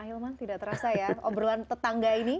ah hilman tidak terasa ya obrolan tetangga ini